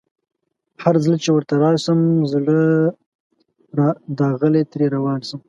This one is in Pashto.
هرځل چي ورته راشم زړه داغلی ترې روان شم